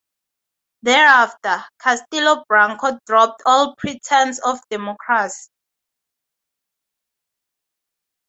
Thereafter, Castelo Branco dropped all pretense of democracy.